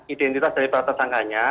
identitas dari para tersangkanya